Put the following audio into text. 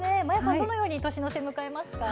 どのように年の瀬を迎えますか？